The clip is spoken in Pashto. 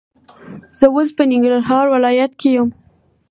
زه اوس په ننګرهار ولایت کې یم.